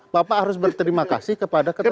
bapak harus berterima kasih kepada ketua